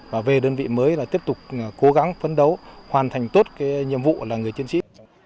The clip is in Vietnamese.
và về đơn vị mới là tiếp tục cố gắng phấn đấu hoàn thành tốt cái nhiệm vụ là người chiến sĩ